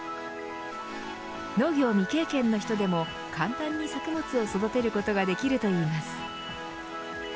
農業未経験の人でも簡単に作物を育てることができるといいます。